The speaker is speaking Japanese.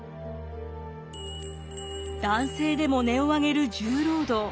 男性でも音を上げる重労働。